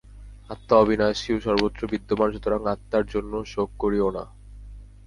আত্মা অবিনাশী ও সর্বত্র বিদ্যমান, সুতরাং আত্মার জন্য শোক করিও না।